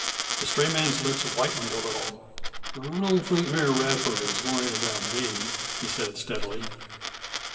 The stray man's lips whitened a little. "I don't think Mary Radford is worryin' about me," he said steadily.